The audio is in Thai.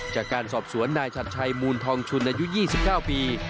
จากการสอบสวนนายชัดชัยมูลทองชุนอายุ๒๙ปี